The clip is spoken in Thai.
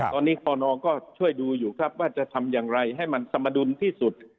ตอนนี้คนองก็ช่วยดูอยู่ครับว่าจะทำอย่างไรให้มันสมดุลที่สุด